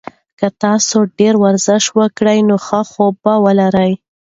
که تاسي ډېر ورزش وکړئ نو ښه خوب به ولرئ.